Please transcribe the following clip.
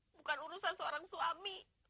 bukan urusan seorang suami